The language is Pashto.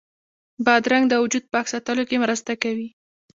بادرنګ د وجود پاک ساتلو کې مرسته کوي.